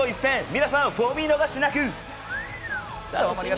皆さん、フォ見逃しなく。